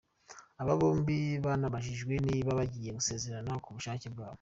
Aba bombi banabajijwe niba bagiye gusezerana kubushake bwabo.